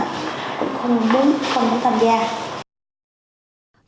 cũng không muốn tham gia